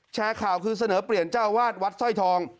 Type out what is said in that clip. แชร์ข่าวคือเสนอเปลี่ยนเจ้าวาดวัดสร้อยทอง